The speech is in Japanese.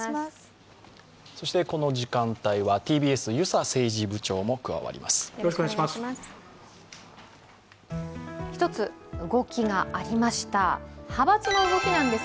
この時間帯はＴＢＳ遊佐政治部長も加わります。